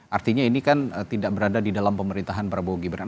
artinya ini kan tidak berada di dalam pemerintahan prabowo gibran